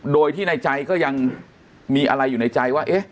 โดยที่ในใจก็ยังมีอะไรอยู่ในใจว่า